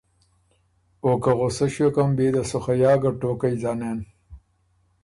او که غُصۀ ݭیوکم بيې ده سو خه یا ګۀ ټوقئ ځنېن۔